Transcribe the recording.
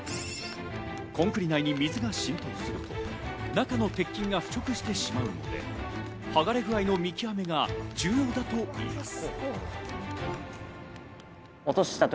コンクリ内に水が浸透すると中の鉄筋が腐食してしまうので、はがれ具合の見極めが重要だといいます。